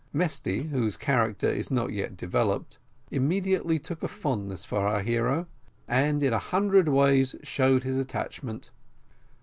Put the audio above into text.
Mesty, whose character is not yet developed, immediately took a fondness for our hero, and in a hundred ways showed his attachment.